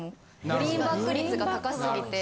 グリーンバック率が高すぎて。